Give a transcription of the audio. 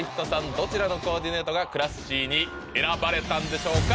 どちらのコーディネートが「ＣＬＡＳＳＹ．」に選ばれたんでしょうか？